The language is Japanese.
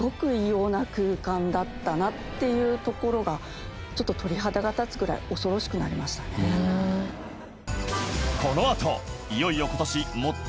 だったなっていうところがちょっと鳥肌が立つぐらい恐ろしくなりましたね。を発表